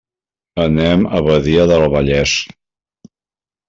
Anem a Badia del Vallès.